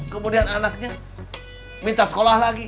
kemudian anaknya minta sekolah lagi